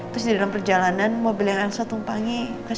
terus di dalam perjalanan mobil yang elsa tumpangnya kecelakaan